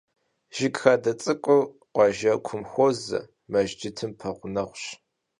Жыг хадэ цӏыкӏур къуажэкум хуозэ, мэжджытым пэгъунэгъущ.